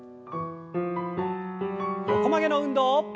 横曲げの運動。